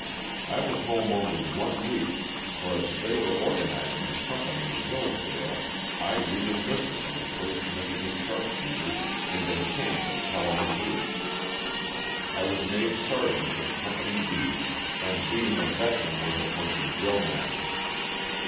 I was home only one week, for, as they were organiz ing a company in Hillsdale, I re enlisted in the 1st Michigan sharpshooters and encamped at Kalamazoo. I was made Sergeant of Company B, and being a veteran was appointed drill master.